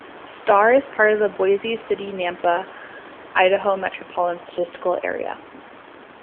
Star is part of the Boise City-Nampa, Idaho Metropolitan Statistical Area.